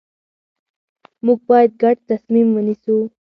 موږ باید ګډ تصمیم ونیسو